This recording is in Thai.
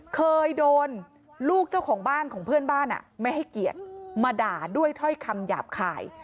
เคยโดนลูกเจ้าของบ้านของเพื่อนบ้านไม่ให้เกียรติมาด่าด้วยถ้อยคำหยาบคาย